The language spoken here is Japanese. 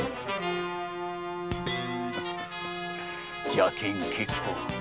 邪剣結構。